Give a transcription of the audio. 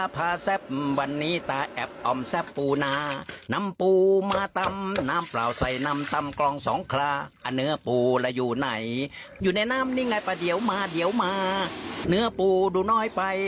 เป็นทำนองเพลงสนุกแบบนี้